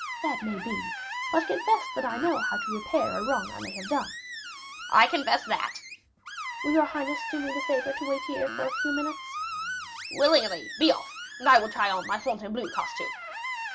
"That may be; but confess that I know how to repair a wrong I may have done." "I confess that." "Will your highness do me the favor to wait here a few minutes?" "Willingly; be off, and I will try on my Fontainebleau costume."